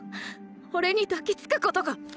おれに抱きつくことか？